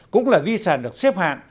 cũng là di sản được xếp hạng